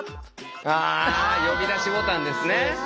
あ呼び出しボタンですね。